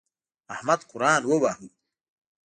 احمد قرآن وواهه.